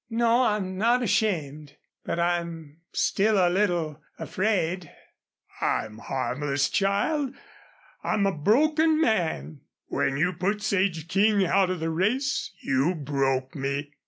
"No, I'm not ashamed. But I'm still a little afraid." "I'm harmless, child. I'm a broken man. When you put Sage King out of the race you broke me."